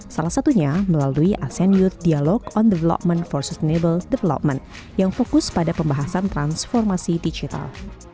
salah satunya melalui asean youth dialog on development for sustainable development yang fokus pada pembahasan transformasi digital